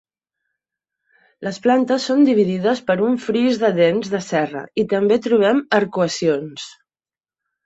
Les plantes són dividides per un fris de dents de serra i també trobem arcuacions.